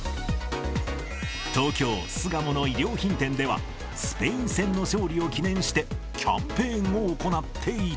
東京・巣鴨の衣料品店では、スペイン戦の勝利を記念してキャンペーンを行っていた。